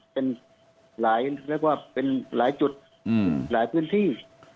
เป็นหลายจุดหลายพื้นที่